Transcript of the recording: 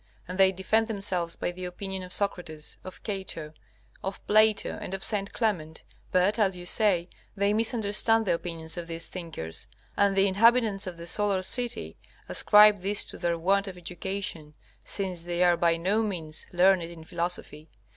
And they defend themselves by the opinion of Socrates, of Cato, of Plato, and of St. Clement; but, as you say, they misunderstand the opinions of these thinkers. And the inhabitants of the solar city ascribe this to their want of education, since they are by no means learned in philosophy.